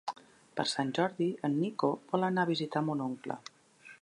Per Sant Jordi en Nico vol anar a visitar mon oncle.